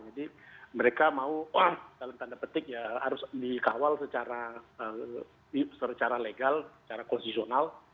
jadi mereka mau dalam tanda petik ya harus dikawal secara legal secara konsisional